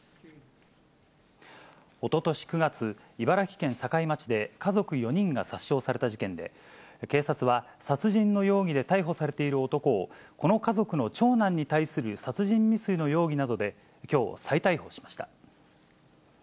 おととし９月、茨城県境町で家族４人が殺傷された事件で、警察は殺人の容疑で逮捕されている男を、この家族の長男に対する殺人未遂の容疑などできょう、再逮捕しました。